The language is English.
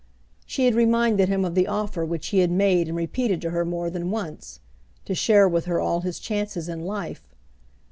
She had reminded him of the offer which he had made and repeated to her more than once, to share with her all his chances in life.